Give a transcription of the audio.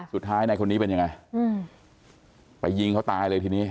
สุดท้ายในคนนี้เป็นยังไงไปยิงเขาตายเลยทีนี้